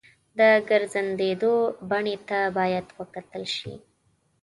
د څرګندېدو بڼې ته باید وکتل شي.